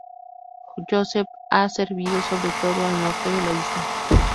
Joseph ha servido sobre todo al norte de la isla.